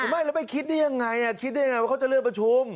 ไม่แล้วไปคิดได้ยังไงคิดได้ไงว่าเขาจะเลื่อนประชุม